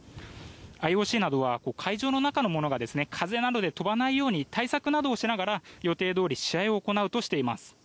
ＩＯＣは会場の中のものなどが風などで飛ばないように対策などをしながら予定どおり試合を行うとしています。